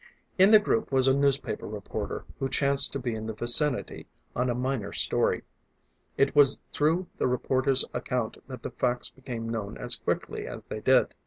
In the group was a newspaper reporter who chanced to be in the vicinity on a minor story. It was through the reporter's account that the facts became known as quickly as they did.